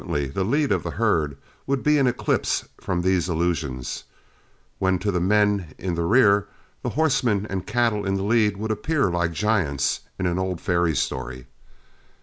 Frequently the lead of the herd would be in eclipse from these illusions, when to the men in the rear the horsemen and cattle in the lead would appear like giants in an old fairy story.